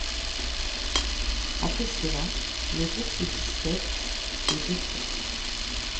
Après cela, le groupe se disperse et Dr.